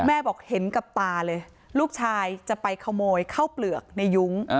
แม่บอกเห็นกับตาเลยลูกชายจะไปขโมยข้าวเปลือกในยุ้ง